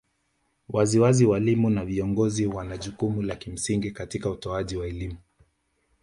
Wazazi walimu na viongozi wana jukumu la msingi katika utoaji wa elimu